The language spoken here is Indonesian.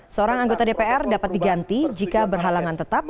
seorang anggota dpr dapat diganti jika berhalangan tetap